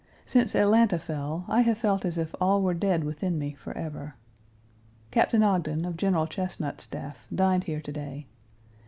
Since Atlanta fell I have felt as if all were dead within me forever. Captain Ogden, of General Chesnut's staff, dined here to day.